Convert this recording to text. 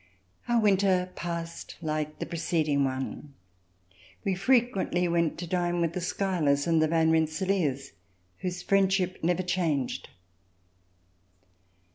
Our winter passed like the preceding one. We fre quently went to dine with the Schuylers and the Van Rensselaers, whose friendship never changed.